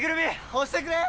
押してくれー！